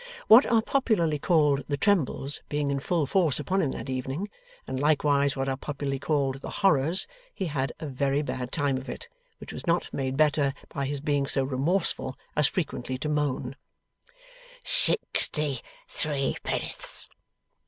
What are popularly called 'the trembles' being in full force upon him that evening, and likewise what are popularly called 'the horrors,' he had a very bad time of it; which was not made better by his being so remorseful as frequently to moan 'Sixty threepennorths.